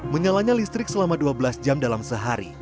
menyalanya listrik selama dua belas jam dalam sehari